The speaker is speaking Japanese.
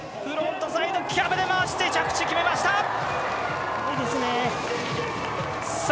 フロントサイド、キャブで回して着地決めました！